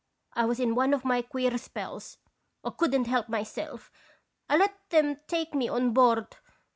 I was in one of my queer spells. I could n't help myself. I let 'em take me on board.